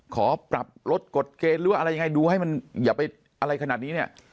ขอปรับลดกฎเกณฑ์หรือว่าอะไรยังไงดูให้มันอย่าไปอะไรขนาดนี้เนี่ย